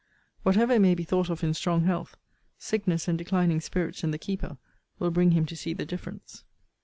Whatever it may be thought of in strong health, sickness and declining spirits in the keeper will bring him to see the difference.